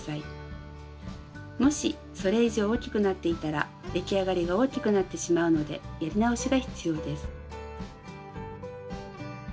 もしそれ以上大きくなっていたら出来上がりが大きくなってしまうのでやり直しが必要です。